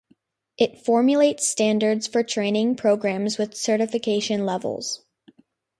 It formulates standards for training programmes with certification levels.